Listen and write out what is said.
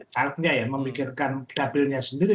caranya ya memikirkan bedabilnya sendiri